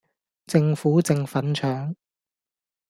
政府正粉腸